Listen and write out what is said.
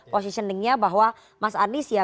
positioningnya bahwa mas anies ya